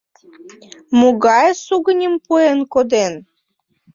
Могай сугыньым пуэн коден?